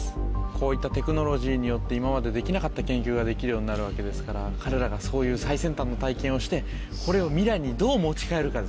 こういったテクノロジーによって今までできなかった研究ができるようになるわけですから彼らがそういう最先端の体験をしてこれを未来にどう持ち帰るかですよね。